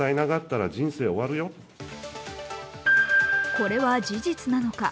これは事実なのか。